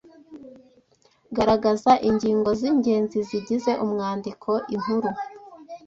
Garagaza ingingo z’ingenzi zigize umwandiko Inkuru